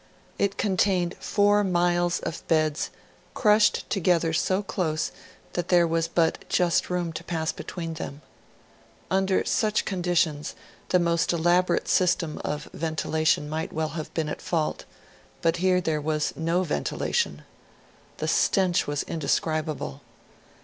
It contained four miles of beds, crushed together so close that there was but just room to pass between them. Under such conditions, the most elaborate system of ventilation might well have been at fault; but here there was no ventilation. The stench was indescribable.